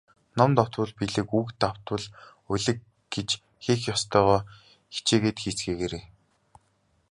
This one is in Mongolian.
Ном давтвал билиг, үг давтвал улиг гэж хийх ёстойгоо хичээгээд хийцгээгээрэй.